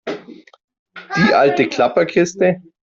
Die alte Klapperkiste?